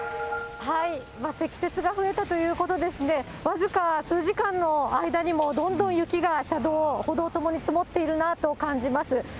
積雪が増えたということですね、僅か数時間の間にもどんどん雪が車道、歩道ともに積もっているなと感じます。